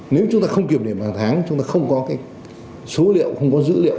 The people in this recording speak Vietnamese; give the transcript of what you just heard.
nếu chúng ta không kiểm điểm hàng tháng chúng ta không có số liệu không có dữ liệu